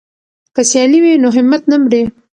که سیالي وي نو همت نه مري.